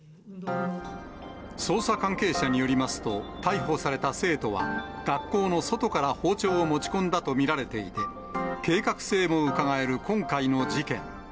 捜査関係者によりますと、逮捕された生徒は、学校の外から包丁を持ち込んだと見られていて、計画性もうかがえる今回の事件。